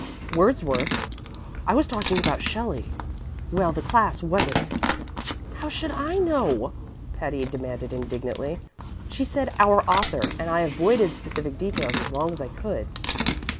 "Wordsworth? I was talking about Shelley." "Well, the class wasn't." "How should I know?" Patty demanded indignantly. "She said 'our author,' and I avoided specific details as long as I could."